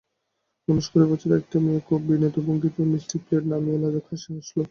উনিশ কুড়ি বছরের একটি মেয়ে খুব বিনীত ভঙ্গিতে মিষ্টির প্লেট নামিয়ে লাজুক হাসি হাসল।